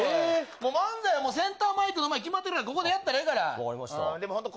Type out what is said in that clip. もう漫才はセンターマイクの前、決まってる、ここでやったらええから。